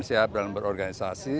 sehat dalam berorganisasi